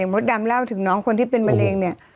มดดำเล่าถึงน้องคนที่เป็นมันเอง